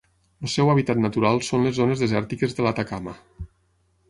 El seu hàbitat natural són les zones desèrtiques de l'Atacama.